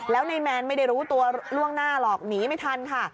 แล้วนายแมนไม่ได้รู้ตัวล่วงหน้าหรอกหนีไม่ทันค่ะ